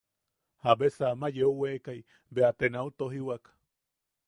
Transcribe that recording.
Jabesa ama yeeuwekai bea te nau tojiwak.